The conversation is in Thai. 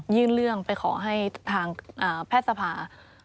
ยื่นเรื่องไปขอให้ทางแพทย์ทียศภา